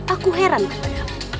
aku heran kepada kamu